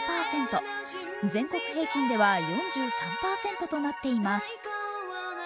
全国平均では４３％となってます。